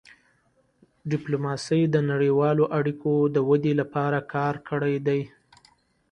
ډيپلوماسي د نړیوالو اړیکو د ودې لپاره کار کړی دی.